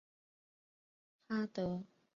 哈德逊郡是纽泽西州内人口密度最高的郡。